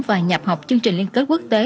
và nhập học chương trình liên kết quốc tế